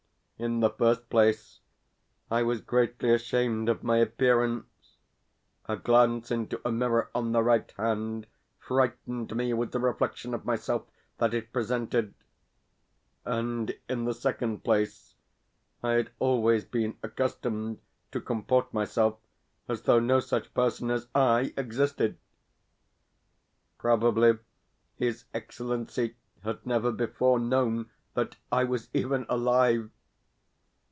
In the first place, I was greatly ashamed of my appearance (a glance into a mirror on the right had frightened me with the reflection of myself that it presented), and, in the second place, I had always been accustomed to comport myself as though no such person as I existed. Probably his Excellency had never before known that I was even alive.